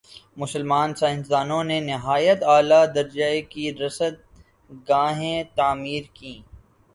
مسلمان سائنسدانوں نے نہایت عالیٰ درجہ کی رصدگاہیں تعمیر کیں